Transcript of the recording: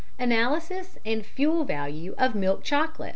ANALYSIS AND FUEL VALUE OF MILK CHOCOLATE.